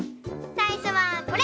さいしょはこれ！